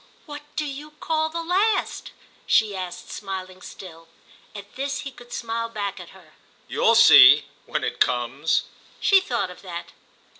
"What do you call the last?" she asked, smiling still. At this he could smile back at her. "You'll see—when it comes." She thought of that.